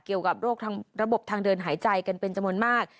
เกี่ยวกับโรคระบบทางเดินหายใจกันเป็นจำนวนมาก